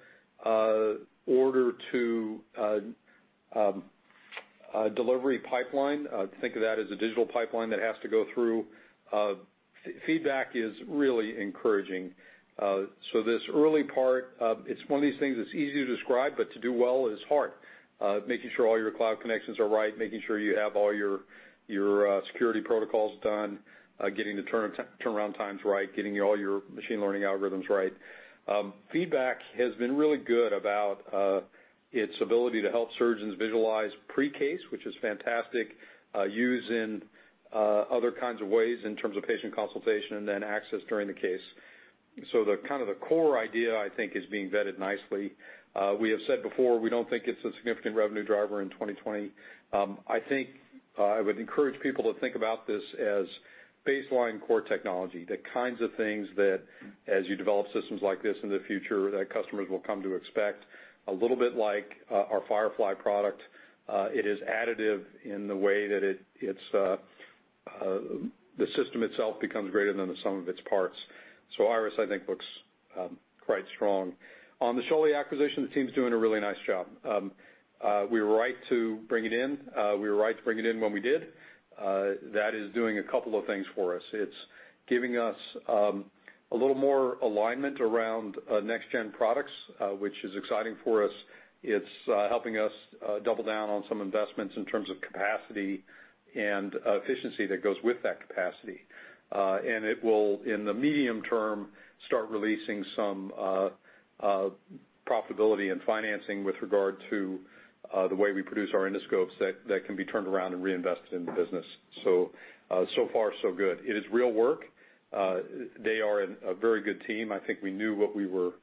order to delivery pipeline. Think of that as a digital pipeline that has to go through. Feedback is really encouraging. This early part, it's one of these things that's easy to describe, but to do well is hard. Making sure all your cloud connections are right, making sure you have all your security protocols done, getting the turnaround times right, getting all your machine learning algorithms right. Feedback has been really good about its ability to help surgeons visualize pre-case, which is fantastic, used in other kinds of ways in terms of patient consultation and then access during the case. The core idea, I think, is being vetted nicely. We have said before, we don't think it's a significant revenue driver in 2020. I think I would encourage people to think about this as baseline core technology. The kinds of things that as you develop systems like this in the future, that customers will come to expect. A little bit like our Firefly product. It is additive in the way that the system itself becomes greater than the sum of its parts. IRIS, I think looks quite strong. On the Schölly acquisition, the team's doing a really nice job. We were right to bring it in when we did. That is doing a couple of things for us. It's giving us a little more alignment around next gen products, which is exciting for us. It's helping us double down on some investments in terms of capacity and efficiency that goes with that capacity. It will, in the medium term, start releasing some profitability and financing with regard to the way we produce our endoscopes that can be turned around and reinvested in the business. So far, so good. It is real work. They are a very good team. I think we knew what we were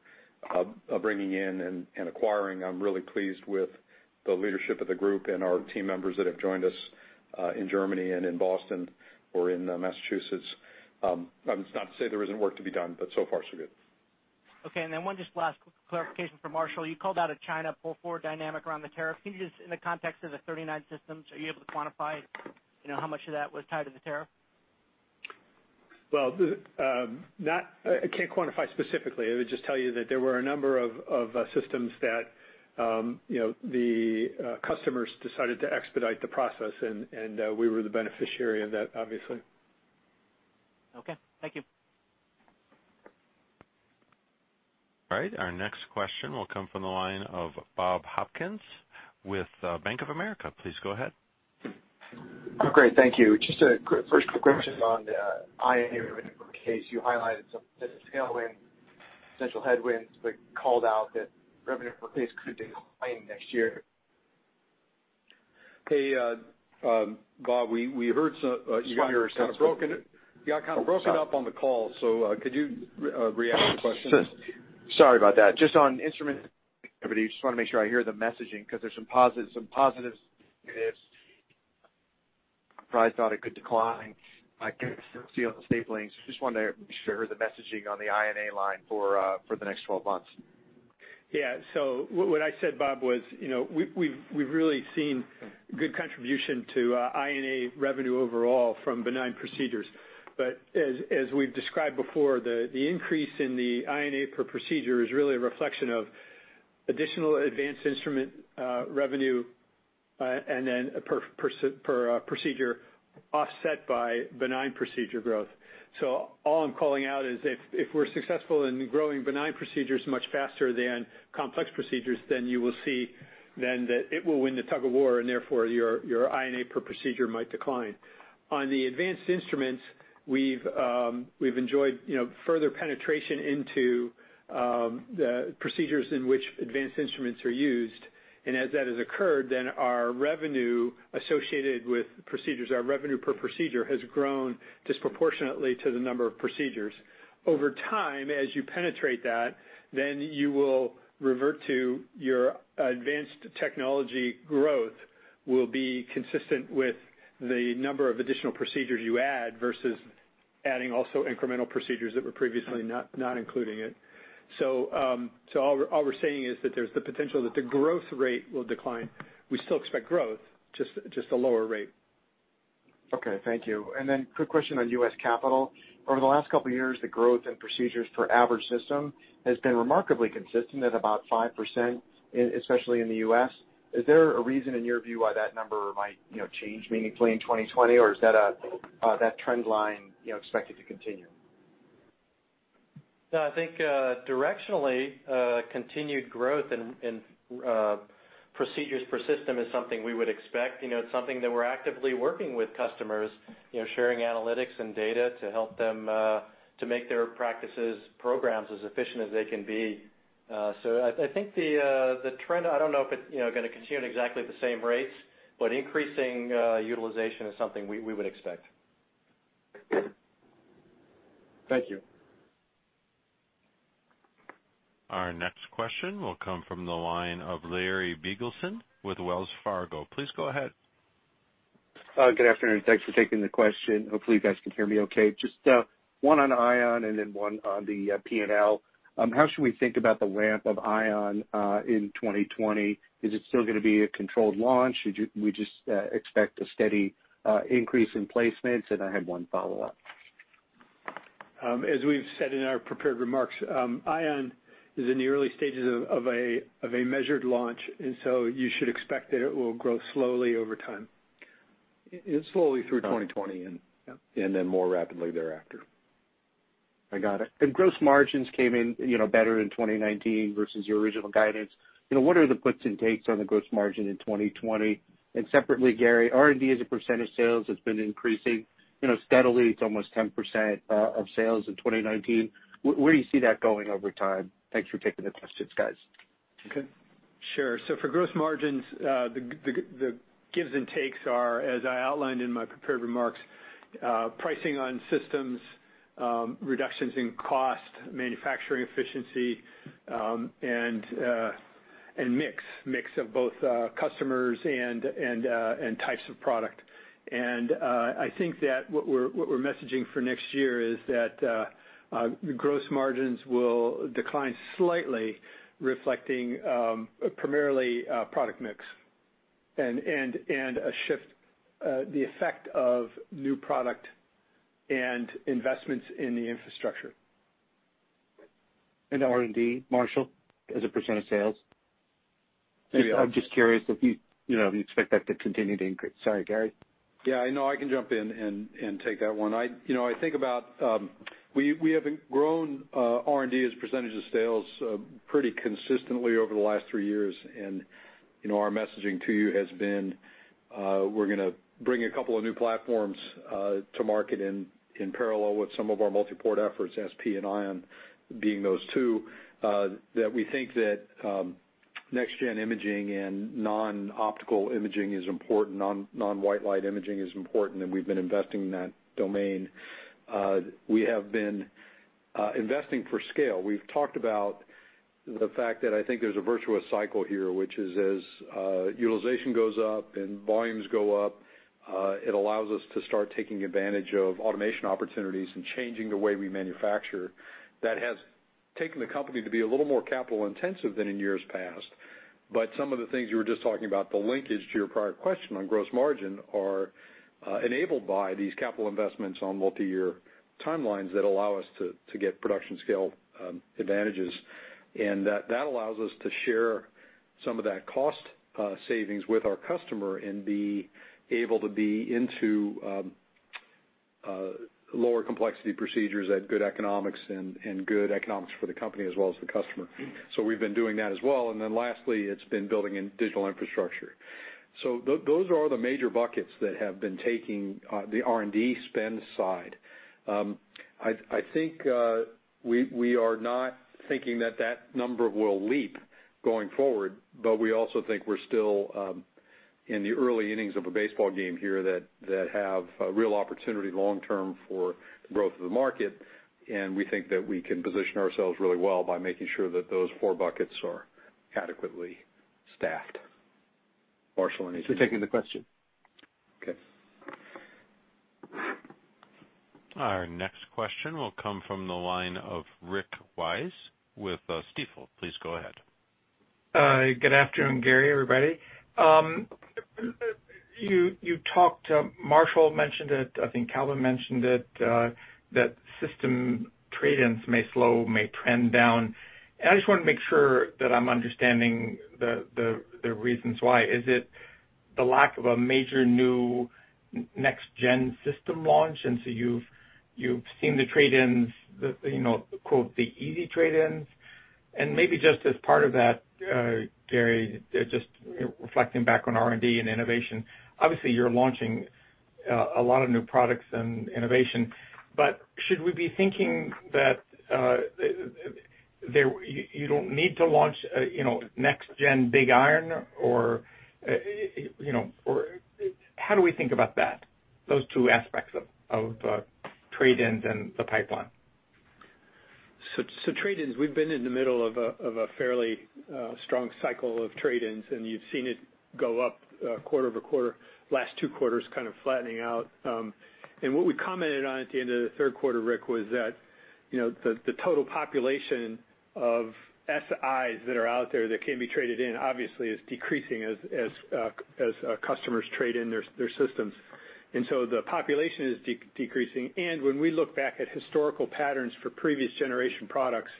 bringing in and acquiring. I'm really pleased with the leadership of the group and our team members that have joined us in Germany and in Boston or in Massachusetts. It's not to say there isn't work to be done, but so far, so good. Okay. One just last clarification for Marshall. You called out a China pull-forward dynamic around the tariff. Can you just, in the context of the 39 systems, are you able to quantify how much of that was tied to the tariff? Well, I can't quantify specifically. I would just tell you that there were a number of systems that the customers decided to expedite the process, and we were the beneficiary of that, obviously. Okay. Thank you. All right. Our next question will come from the line of Bob Hopkins with Bank of America. Please go ahead. Great. Thank you. Just a first quick question on the I&A revenue per case. You highlighted some business tailwind, potential headwinds, but called out that revenue per case could decline next year. Hey, Bob. You got kind of broken up on the call, so could you re-ask the question? Sure. Sorry about that. On instrument activity, just want to make sure I hear the messaging because there's some positives, some negatives. Price out, a good decline. I guess still see on the stapling. Just wanted to make sure I heard the messaging on the I&A line for the next 12 months. Yeah. What I said, Bob, was we've really seen good contribution to I&A revenue overall from benign procedures. As we've described before, the increase in the I&A per procedure is really a reflection of additional advanced instrument revenue and then per procedure offset by benign procedure growth. All I'm calling out is if we're successful in growing benign procedures much faster than complex procedures, then you will see that it will win the tug of war, and therefore, your I&A per procedure might decline. On the advanced instruments, we've enjoyed further penetration into the procedures in which advanced instruments are used. As that has occurred, then our revenue associated with procedures, our revenue per procedure has grown disproportionately to the number of procedures. Over time, as you penetrate that, then you will revert to your advanced technology growth will be consistent with the number of additional procedures you add versus adding also incremental procedures that were previously not including it. All we're saying is that there's the potential that the growth rate will decline. We still expect growth, just a lower rate. Okay, thank you. Quick question on U.S. capital. Over the last couple of years, the growth in procedures per average system has been remarkably consistent at about 5%, especially in the U.S. Is there a reason, in your view, why that number might change meaningfully in 2020? Is that trend line expected to continue? I think directionally, continued growth in procedures per system is something we would expect. It's something that we're actively working with customers, sharing analytics and data to help them to make their practices, programs as efficient as they can be. I think the trend, I don't know if it's going to continue at exactly the same rates, but increasing utilization is something we would expect. Thank you. Our next question will come from the line of Larry Biegelsen with Wells Fargo. Please go ahead. Good afternoon. Thanks for taking the question. Hopefully, you guys can hear me okay. Just one on Ion and then one on the P&L. How should we think about the ramp of Ion in 2020? Is it still going to be a controlled launch? Should we just expect a steady increase in placements? I have one follow-up. As we've said in our prepared remarks, Ion is in the early stages of a measured launch. You should expect that it will grow slowly over time. Slowly through 2020, and then more rapidly, thereafter. I got it. Gross margins came in better in 2019 versus your original guidance. What are the puts and takes on the gross margin in 2020? Separately, Gary, R&D as a percentage sales has been increasing steadily. It's almost 10% of sales in 2019. Where do you see that going over time? Thanks for taking the questions, guys. Okay. Sure. For gross margins, the gives and takes are, as I outlined in my prepared remarks, pricing on systems, reductions in cost, manufacturing efficiency, and mix of both customers and types of product. I think that what we're messaging for next year is that gross margins will decline slightly, reflecting primarily product mix and a shift, the effect of new product and investments in the infrastructure. R&D, Marshall, as a percent of sales? Yeah. I'm just curious if you expect that to continue to increase. Sorry, Gary. Yeah, I know. I can jump in and take that one. I think about, we have grown R&D as a percentage of sales pretty consistently over the last three years, and our messaging to you has been, we're going to bring a couple of new platforms to market in parallel with some of our multi-port efforts, SP and Ion being those two. That we think that next-gen imaging and non-optical imaging is important, non-white light imaging is important, and we've been investing in that domain. We have been investing for scale. We've talked about the fact that, I think, there's a virtuous cycle here, which is as utilization goes up and volumes go up, it allows us to start taking advantage of automation opportunities and changing the way we manufacture. That has taken the company to be a little more capital-intensive than in years past. Some of the things you were just talking about, the linkage to your prior question on gross margin, are enabled by these capital investments on multi-year timelines that allow us to get production scale advantages. That allows us to share some of that cost savings with our customer and be able to be into lower complexity procedures at good economics, and good economics for the company as well as the customer. We've been doing that as well. Lastly, it's been building in digital infrastructure. Those are the major buckets that have been taking the R&D spend side. I think we are not thinking that that number will leap going forward, we also think we're still in the early innings of a baseball game here that have a real opportunity long term for the growth of the market. We think that we can position ourselves really well by making sure that those four buckets are adequately staffed. Marshall, anything- Thanks for taking the question. Okay. Our next question will come from the line of Rick Wise with Stifel. Please go ahead. Good afternoon, Gary, everybody. You talked, Marshall mentioned it, I think Calvin mentioned it, that system trade-ins may slow, may trend down, and I just want to make sure that I'm understanding the reasons why. Is it the lack of a major new next-gen system launch, and so you've seen the trade-ins, quote, "the easy trade-ins"? Maybe just as part of that, Gary, just reflecting back on R&D and innovation, obviously you're launching a lot of new products and innovation, but should we be thinking that you don't need to launch next-gen big iron, or how do we think about that, those two aspects of trade-ins and the pipeline? Trade-ins, we've been in the middle of a fairly strong cycle of trade-ins, and you've seen it go up quarter-over-quarter, last two quarters kind of flattening out. What we commented on at the end of the third quarter, Rick, was that the total population of Sis that are out there that can be traded in obviously is decreasing as customers trade in their systems. The population is decreasing, and when we look back at historical patterns for previous generation products,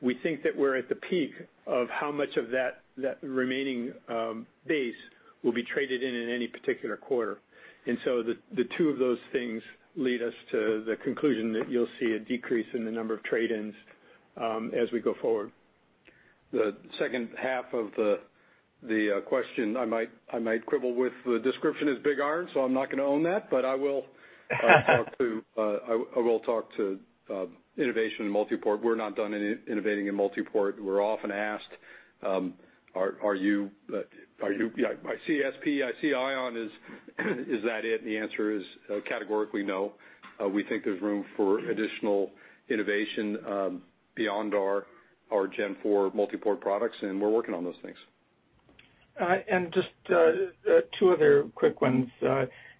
we think that we're at the peak of how much of that remaining base will be traded in in any particular quarter. The two of those things lead us to the conclusion that you'll see a decrease in the number of trade-ins as we go forward. The second half of the question, I might quibble with the description as big iron, so I'm not going to own that, but I will talk to innovation and multi-port. We're not done innovating in multi-port. We're often asked, "I see SP, I see Ion, is that it?" The answer is categorically no. We think there's room for additional innovation beyond our Gen 4 multi-port products, and we're working on those things. Just two other quick ones.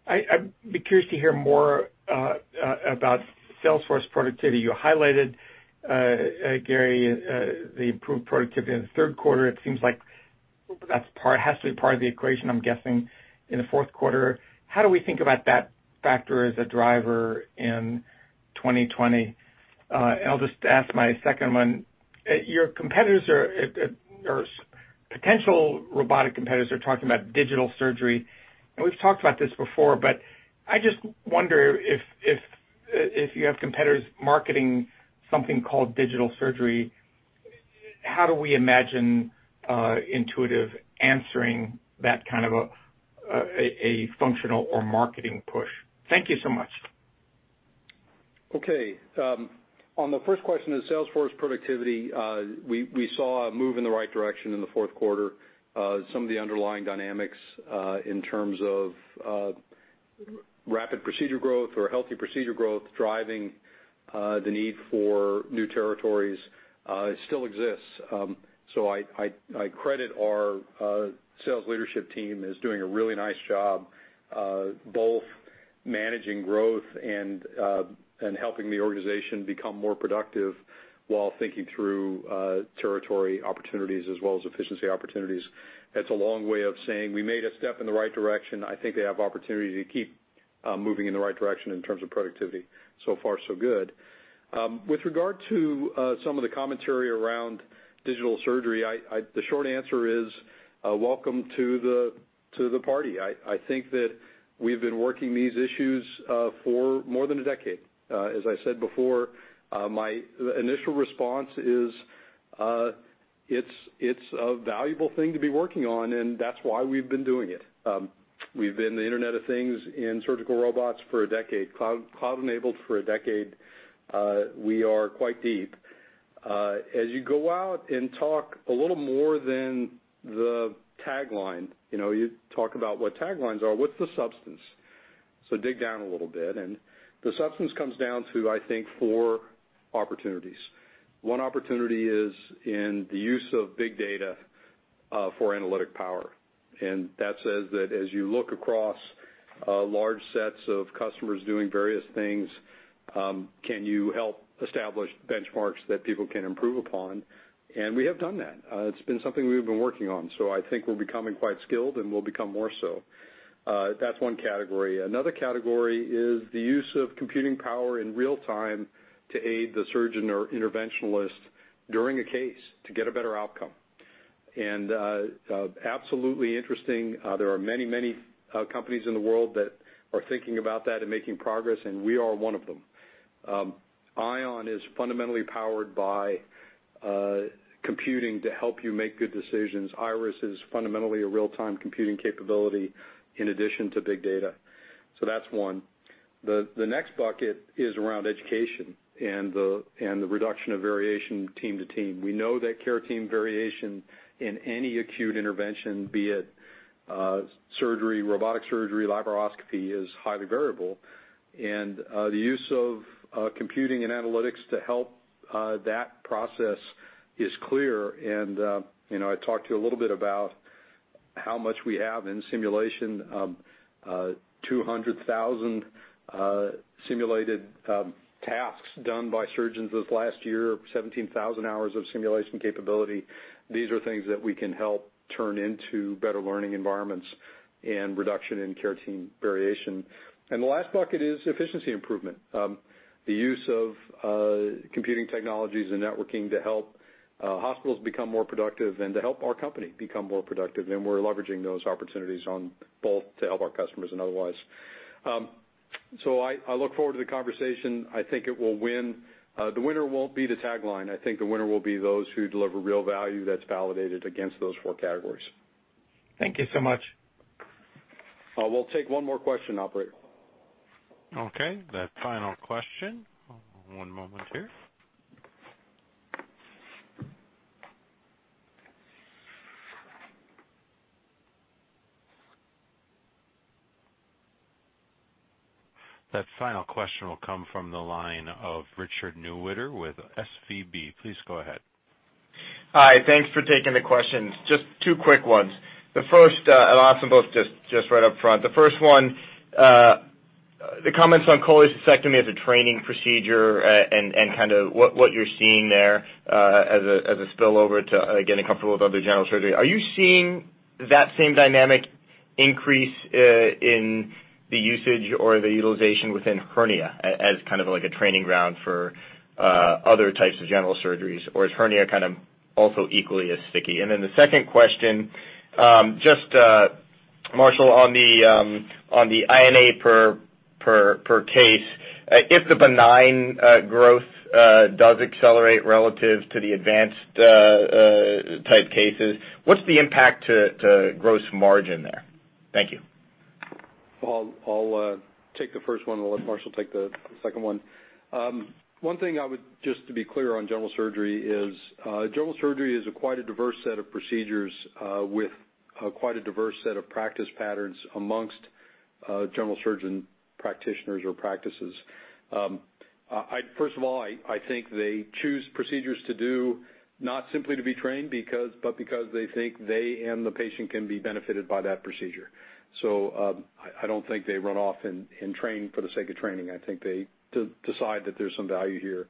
I'd be curious to hear more about sales force productivity. You highlighted, Gary, the improved productivity in the third quarter. It seems like that has to be part of the equation, I'm guessing, in the fourth quarter. How do we think about that factor as a driver in 2020? I'll just ask my second one. Your potential robotic competitors are talking about digital surgery, and we've talked about this before, but I just wonder if you have competitors marketing something called digital surgery, how do we imagine Intuitive answering that kind of a functional or marketing push? Thank you so much. Okay. On the first question is sales force productivity. We saw a move in the right direction in the fourth quarter. Some of the underlying dynamics, in terms of rapid procedure growth or healthy procedure growth driving the need for new territories, still exists. I credit our sales leadership team as doing a really nice job, both managing growth and helping the organization become more productive while thinking through territory opportunities as well as efficiency opportunities. That's a long way of saying we made a step in the right direction. I think they have opportunities to keep moving in the right direction in terms of productivity. So far, so good. With regard to some of the commentary around digital surgery, the short answer is, welcome to the party. I think that we've been working these issues for more than a decade. As I said before, my initial response is it's a valuable thing to be working on, and that's why we've been doing it. We've been the Internet of Things in surgical robots for a decade, cloud-enabled for a decade. We are quite deep. As you go out and talk a little more than the tagline. You talk about what taglines are. What's the substance? Dig down a little bit, and the substance comes down to, I think, four opportunities. One opportunity is in the use of big data for analytic power. That says that as you look across large sets of customers doing various things, can you help establish benchmarks that people can improve upon? We have done that. It's been something we've been working on. I think we're becoming quite skilled and we'll become more so. That's one category. Another category is the use of computing power in real time to aid the surgeon or interventionalist during a case to get a better outcome. Absolutely interesting. There are many, many companies in the world that are thinking about that and making progress, and we are one of them. Ion is fundamentally powered by computing to help you make good decisions. IRIS is fundamentally a real-time computing capability in addition to big data. That's one. The next bucket is around education and the reduction of variation team to team. We know that care team variation in any acute intervention, be it surgery, robotic surgery, laparoscopy, is highly variable. The use of computing and analytics to help that process is clear, and I talked to you a little bit about how much we have in simulation. 200,000 simulated tasks done by surgeons this last year, 17,000 hours of simulation capability. These are things that we can help turn into better learning environments and reduction in care team variation. The last bucket is efficiency improvement. The use of computing technologies and networking to help hospitals become more productive, and to help our company become more productive. We're leveraging those opportunities on both to help our customers and otherwise. I look forward to the conversation. I think it will win. The winner won't be the tagline. I think the winner will be those who deliver real value that's validated against those four categories. Thank you so much. We'll take one more question, operator. Okay, the final question. One moment here. That final question will come from the line of Richard Newitter with SVB. Please go ahead. Hi. Thanks for taking the questions. Just two quick ones. The first, I'll ask them both just right up front. The first one, the comments on cholecystectomy as a training procedure and what you're seeing there as a spillover to getting comfortable with other general surgery. Are you seeing that same dynamic increase in the usage or the utilization within hernia as kind of like a training ground for other types of general surgeries? Is hernia kind of also equally as sticky? The second question, just Marshall on the [audio disstortion] per case. If the benign growth does accelerate relative to the advanced type cases, what's the impact to gross margin there? Thank you. I'll take the first one and let Marshall take the second one. One thing just to be clear on general surgery is general surgery is quite a diverse set of procedures with quite a diverse set of practice patterns amongst general surgeon practitioners or practices. First of all, I think they choose procedures to do not simply to be trained, but because they think they and the patient can be benefited by that procedure. I don't think they run off and train for the sake of training. I think they decide that there's some value here.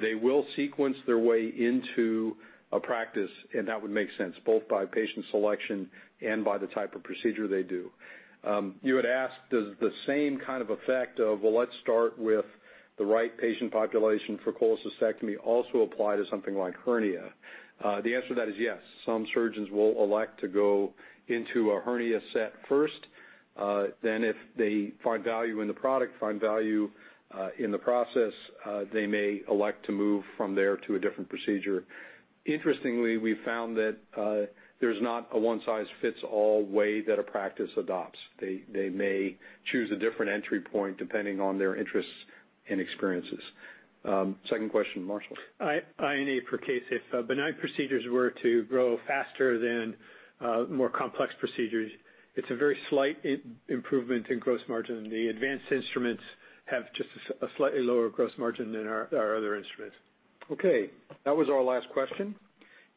They will sequence their way into a practice, that would make sense, both by patient selection and by the type of procedure they do. You had asked, does the same kind of effect of, well, let's start with the right patient population for cholecystectomy also apply to something like hernia? The answer to that is yes. Some surgeons will elect to go into a hernia set first. If they find value in the product, find value in the process, they may elect to move from there to a different procedure. Interestingly, we've found that there's not a one-size-fits-all way that a practice adopts. They may choose a different entry point depending on their interests and experiences. Second question, Marshall. I.e., per case, if benign procedures were to grow faster than more complex procedures, it's a very slight improvement in gross margin. The advanced instruments have just a slightly lower gross margin than our other instruments. That was our last question.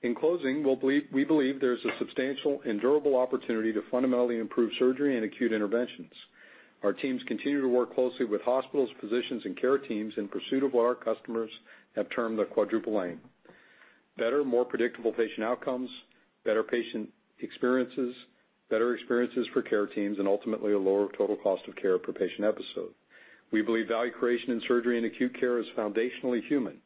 In closing, we believe there's a substantial and durable opportunity to fundamentally improve surgery and acute interventions. Our teams continue to work closely with hospitals, physicians, and care teams in pursuit of what our customers have termed the Quadruple Aim: better, more predictable patient outcomes, better patient experiences, better experiences for care teams, and ultimately, a lower total cost of care per patient episode. We believe value creation in surgery and acute care is foundationally human.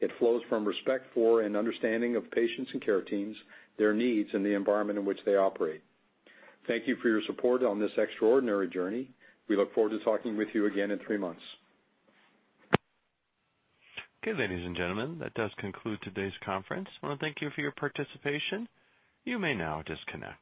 It flows from respect for and understanding of patients and care teams, their needs, and the environment in which they operate. Thank you for your support on this extraordinary journey. We look forward to talking with you again in three months. Okay, ladies and gentlemen, that does conclude today's conference. I want to thank you for your participation. You may now disconnect.